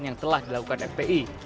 yang telah dilakukan fpi